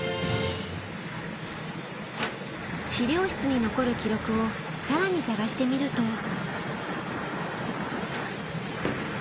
資料室に残る記録を更に探してみると。